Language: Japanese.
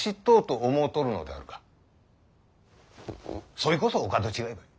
そいこそお門違いばい。